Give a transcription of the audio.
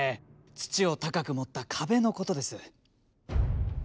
土を高く盛った壁のことです。